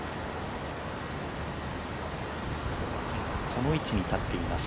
この位置に立っています